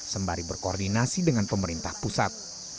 sembari berkoordinasi dengan pemerintah pusat